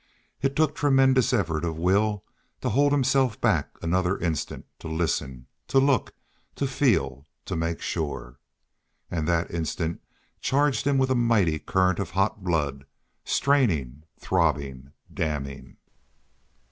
It took tremendous effort of will to hold himself back another instant to listen, to look, to feel, to make sure. And that instant charged him with a mighty current of hot blood, straining, throbbing, damming.